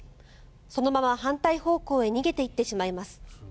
そのまま反対方向へ逃げていってしまいます。